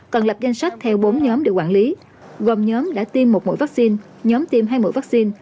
cần lập danh sách theo bốn nhóm để quản lý gồm nhóm đã tiêm một mũi vaccine nhóm tiêm hai mũi vaccine